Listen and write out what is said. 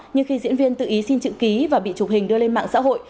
nhưng khi diễn viên tự ý xin chữ ký và bị chụp hình đưa lên mạng xã hội